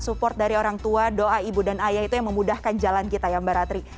support dari orang tua doa ibu dan ayah itu yang memudahkan jalan kita ya mbak ratri